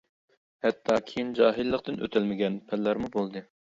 ھەتتا كىيىن جاھىللىقتىن ئۆتەلمىگەن پەنلەرمۇ بولدى.